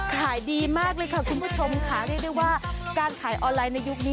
ขายดีมากเลยค่ะคุณผู้ชมค่ะเรียกได้ว่าการขายออนไลน์ในยุคนี้